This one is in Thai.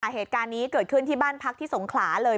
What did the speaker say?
เหตุการณ์นี้เกิดขึ้นที่บ้านพักที่สงขลาเลย